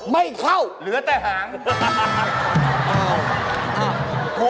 ไม่เข้าเหลือแต่หางอ้าวอ้าว